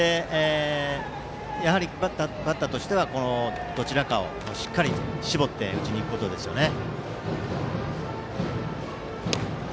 やはりバッターとしてはこのどちらかをしっかり絞って打ちに行くことですね。